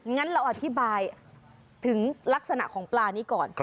งั้นเราอธิบายถึงลักษณะของปลานี้ก่อน